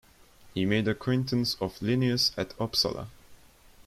He made the acquaintance of Linnaeus at Uppsala.